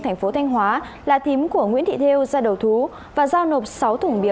thành phố thanh hóa là thím của nguyễn thị thêu gia đầu thú và giao nộp sáu thủng bia